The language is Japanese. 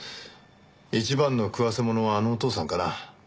一番の食わせものはあのお父さんかな。